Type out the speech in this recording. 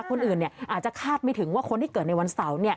คนอื่นอาจจะคาดไม่ถึงว่าคนที่เกิดในวันเสาร์